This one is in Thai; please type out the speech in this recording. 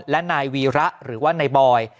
และนายวีระหรือว่านายบอย